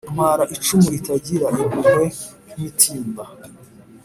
Ntwara icumu ritagira impuhwe nk'imitimba